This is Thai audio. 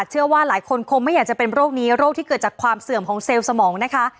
เชื่อว่าหลายคนคงไม่อยากจะเป็นโรคนี้โรคที่เกิดจากความเสื่อมของเซลล์สมองนะคะ